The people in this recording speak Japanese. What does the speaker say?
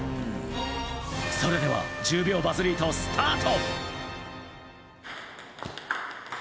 それでは１０秒バズリートスタート！